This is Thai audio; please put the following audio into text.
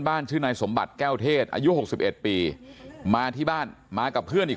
ชื่อนายสมบัติแก้วเทศอายุ๖๑ปีมาที่บ้านมากับเพื่อนอีก